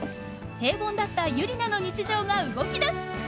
平凡だったユリナの日常が動きだす！